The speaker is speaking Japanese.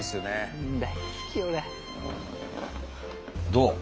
どう？